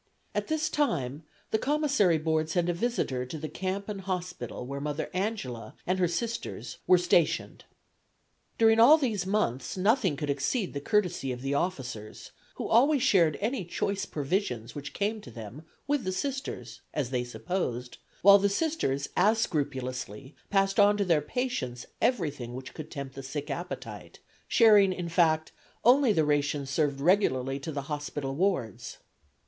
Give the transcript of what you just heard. At this time the Commissary Board sent a visitor to the camp and hospital where Mother Angela and her Sisters were stationed. During all these months nothing could exceed the courtesy of the officers, who always shared any choice provisions which came to them with the Sisters, as they supposed, while the Sisters as scrupulously passed on to their patients everything which could tempt the sick appetite, sharing, in fact, only the rations served regularly to the hospital wards.